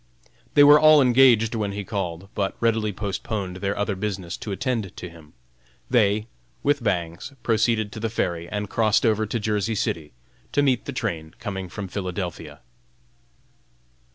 They were all engaged when he called, but readily postponed their other business to attend to him. They, with Bangs, proceeded to the ferry and crossed over to Jersey City, to meet the train coming from Philadelphia.